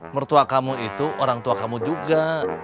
mertua kamu itu orang tua kamu juga